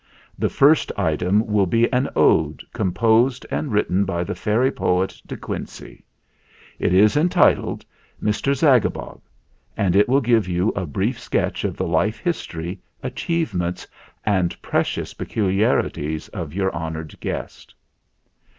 The first item will be an Ode composed and written by the fairy poet, De THE ZAGABOG 119 Quincey. It is entitled 'Mr. Zagabog/ and it will give you a brief sketch of the life history, achievements, and precious peculiarities of your honored guest."